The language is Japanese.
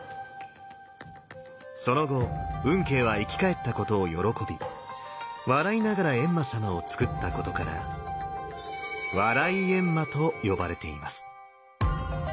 その後運慶は生き返ったことを喜び笑いながら閻魔様をつくったことから「笑い閻魔」と呼ばれています。